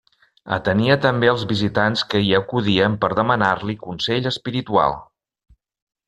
Atenia també els visitants que hi acudien per demanar-li consell espiritual.